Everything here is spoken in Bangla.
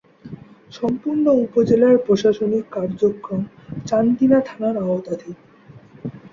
সম্পূর্ণ উপজেলার প্রশাসনিক কার্যক্রম চান্দিনা থানার আওতাধীন।